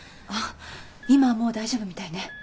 あ今はもう大丈夫みたいね。